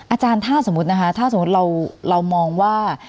อาจารย์ถ้าสมมุตินะคะถ้าสมมุติเรามองว่า